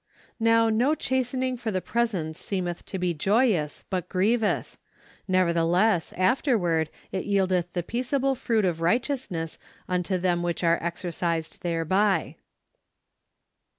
" Now no chastening for the present seemeth to be joyous , but grievous: nevertheless afterward it yieldeth the peaceable fruit of righteousness unto them which are exercised thereby